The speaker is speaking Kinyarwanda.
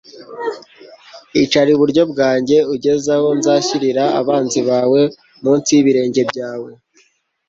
icara iburyo bwanjye ugeze aho nzashyirira abanzi bawe munsi y'ibirenge byawe.»